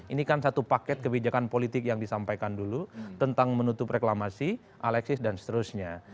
ini kan satu paket kebijakan politik yang disampaikan dulu tentang menutup reklamasi alexis dan seterusnya